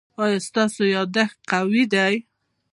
ایا ستاسو یادښت قوي دی؟